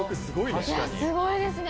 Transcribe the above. すごいですね。